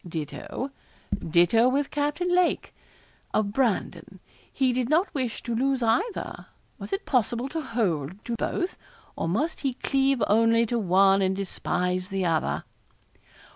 Ditto, ditto with Captain Lake, of Brandon. He did not wish to lose either. Was it possible to hold to both, or must he cleave only to one and despise the other?